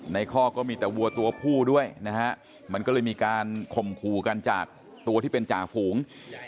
ข้อก็มีแต่วัวตัวผู้ด้วยนะฮะมันก็เลยมีการข่มขู่กันจากตัวที่เป็นจ่าฝูง